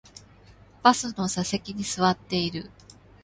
バスの座席に座っている